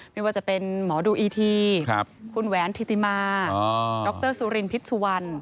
ไม่ว่าจะเป็นหมอดูอีทีคุณแหวนธิติมาดรสุรินพิษสุวรรณ